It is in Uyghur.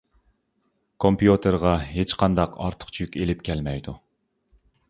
كومپيۇتېرغا ھېچقانداق ئارتۇقچە يۈك ئېلىپ كەلمەيدۇ.